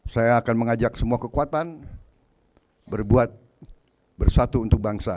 saya akan mengajak semua kekuatan berbuat bersatu untuk bangsa